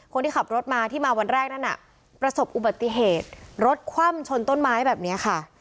คนที่ขับรถมาที่มาวันแรกนั้นน่ะประสบอุบัติเหตุรถคว่ำชนต้นไม้แบบนี้ค่ะ